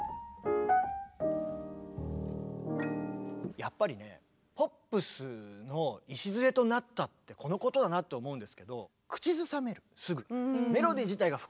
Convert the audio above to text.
やっぱりねポップスの礎となったってこのことだなと思うんですけどだからね